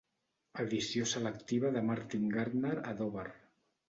Edició selectiva de Martin Gardner a Dover.